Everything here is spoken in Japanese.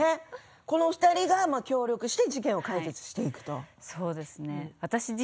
この２人が協力して事件を解決していくと。